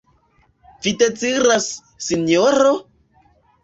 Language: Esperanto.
Vi deziras, Sinjoro?